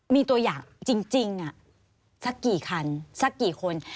มีตัวอย่างจริงสักกี่คันสักกี่คน